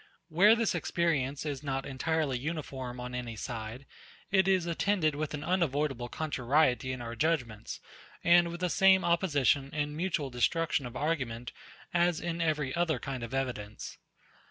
Where this experience is not entirely uniform on any side, it is attended with an unavoidable contrariety in our judgements, and with the same opposition and mutual destruction of argument as in every other kind of evidence.